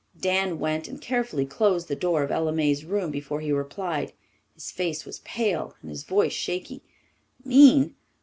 Dan went and carefully closed the door of Ella May's room before he replied. His face was pale and his voice shaky. "Mean?